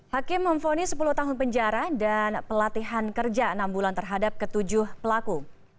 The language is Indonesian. hakim memfoni sepuluh tahun penjara dan pelatihan kerja enam bulan terhadap ketujuh pelaku